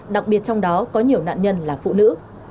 đặc biệt trong đó có nhiều nạn nhân là phụ nữ